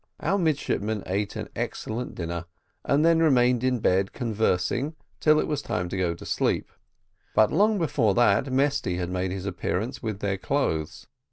Our midshipmen ate an excellent dinner, and then remained in bed conversing till it was time to go to sleep; but long before that, Mesty had made his appearance with their clothes.